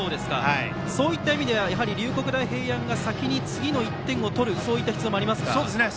そういった意味では龍谷大平安が先に次の１点を取るそういった必要がありますかね。